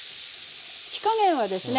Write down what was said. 火加減はですね